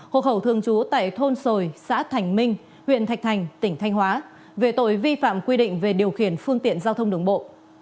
hộ khẩu thường trú tại thôn sồi xã thành minh huyện thạch thành tỉnh thanh hóa về tội vi phạm quy định về điều khiển phương tiện giao thông đường bộ